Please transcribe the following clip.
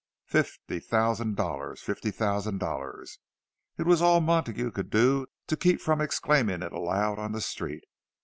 Fifty thousand dollars! Fifty thousand dollars! It was all Montague could do to keep from exclaiming it aloud on the street.